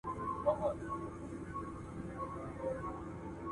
آیا ذهنونه ګډوډیږي کله چي جدي ښوونکی ناببره پوښتنې مطرح کوي؟